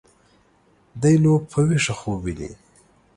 دى نو په ويښه خوب ويني.